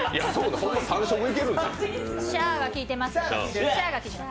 シャーが効いてます。